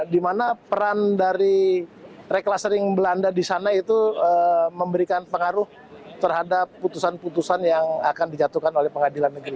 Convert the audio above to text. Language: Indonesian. dimana peran dari reklasering belanda di sana itu memberikan pengaruh terhadap putusan putusan yang akan dijatuhkan oleh pengadilan negeri